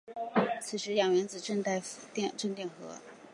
此时氧原子带正电荷。